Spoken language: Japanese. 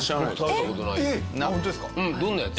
どんなやつ？